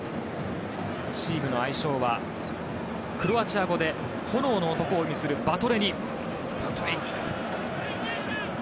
チームの愛称はクロアチア語で炎の男を意味するヴァトレニ。